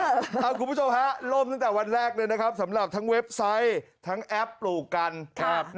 คุณผู้ชมฮะล่มตั้งแต่วันแรกเลยนะครับสำหรับทั้งเว็บไซต์ทั้งแอปปลูกกัน